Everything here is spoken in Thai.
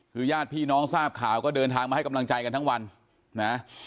คือญาติพี่น้องทราบข่าวก็เดินทางมาให้กำลังใจกันทั้งวันนะ